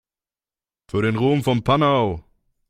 Für den Ruhm von Panau!